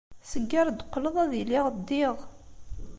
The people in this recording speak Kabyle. Seg-a ar d-teqqleḍ, ad iliɣ ddiɣ.